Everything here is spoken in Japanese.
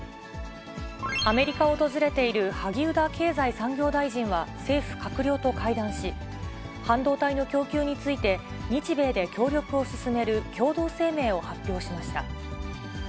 アメリカを訪れている萩生田経済産業大臣は政府閣僚と会談し、半導体の供給について、日米で協力を進める共同声明を発表しました。